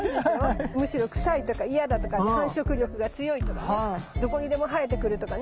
むしろ臭いとか嫌だとか繁殖力が強いとかねどこにでも生えてくるとかね